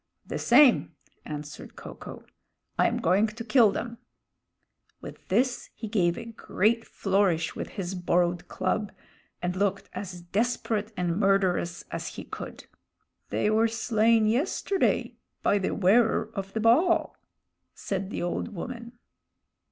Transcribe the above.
"The same," answered Ko ko. "I am going to kill them." With this he gave a great flourish with his borrowed club, and looked as desperate and murderous as he could. "They were slain yesterday by The Wearer of the Ball," said the old woman.